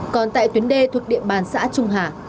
còn tại tuyến đê thuộc địa bàn xã trung hà